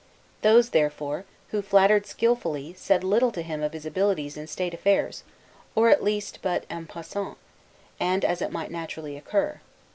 Those, therefore, who flattered skillfully, said little to him of his abilities in state affairs, or at least but 'en passant,' and as it might naturally occur.